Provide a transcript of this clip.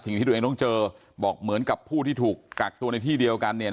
สิ่งที่ตัวเองต้องเจอบอกเหมือนกับผู้ที่ถูกกักตัวในที่เดียวกัน